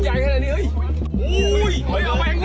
สวัสดีทุกคน